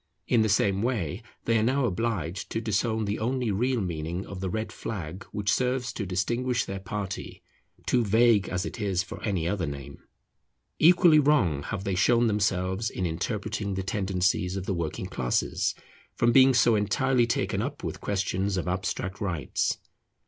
In the same way they are now obliged to disown the only real meaning of the red flag which serves to distinguish their party, too vague as it is for any other name. Equally wrong have they shown themselves in interpreting the tendencies of the working classes, from being so entirely taken up with questions of abstract rights.